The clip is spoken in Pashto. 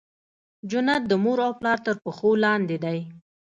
جنت د مور او پلار تر پښو لاندي دی.